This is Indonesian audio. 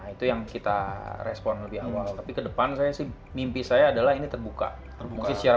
itu yang kita respon lebih awal tapi kedepan saya sih mimpi saya adalah ini terbuka terbukti secara